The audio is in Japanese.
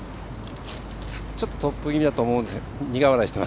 ちょっとトップ気味だと思うんですが。